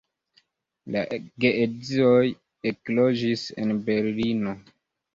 La geedzoj ekloĝis en Berlino.